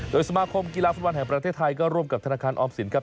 โดยสมาคมกีฬาฟุตบอลแห่งประเทศไทยก็ร่วมกับธนาคารออมสินครับ